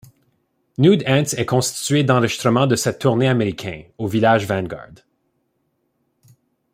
Nude Ants est constitué d'enregistrements de cette tournée américain, au Village Vanguard.